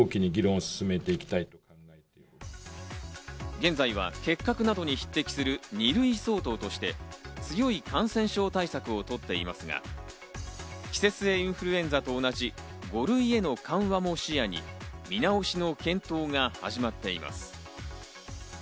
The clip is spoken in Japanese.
現在は結核などに匹敵する２類相当として、強い感染症対策を取っていますが、季節性インフルエンザと同じ５類への緩和も視野に、見直しの検討が始まっています。